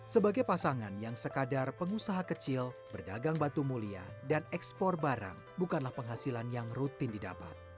sebagai pasangan yang sekadar pengusaha kecil berdagang batu mulia dan ekspor barang bukanlah penghasilan yang rutin didapat